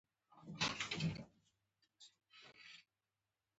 د فشار واحد پاسکال دی.